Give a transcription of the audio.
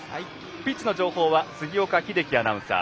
ピッチの情報は杉岡英樹アナウンサー。